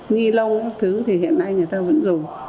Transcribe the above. ni lông các thứ thì hiện nay người ta vẫn dùng